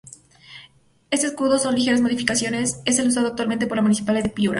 Este escudo, con ligeras modificaciones es el usado actualmente por la Municipalidad de Piura.